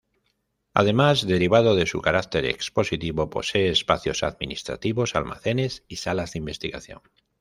Además, derivado de su carácter expositivo, posee espacios administrativos, almacenes y salas de investigación.